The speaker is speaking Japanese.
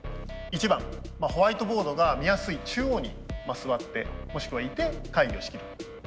１番ホワイトボードが見やすい中央に座ってもしくはいて会議を仕切る。